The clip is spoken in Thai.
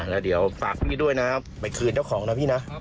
แล้วเดี๋ยวฝากพี่ด้วยนะครับไปคืนเจ้าของนะพี่นะ